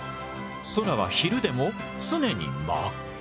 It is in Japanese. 空は昼でも常に真っ暗。